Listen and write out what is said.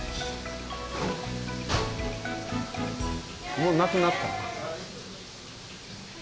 もうなくなった。